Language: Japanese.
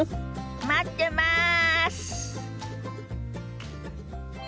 待ってます！